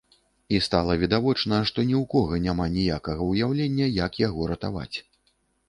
І стала відавочна, што ні ў кога няма ніякага ўяўлення, як яго ратаваць.